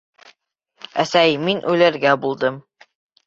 — Әсәй, мин үлергә булдым.